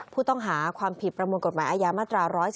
ผู้ต้องหาความผิดประมวลกฎหมายอาญามาตรา๑๑๒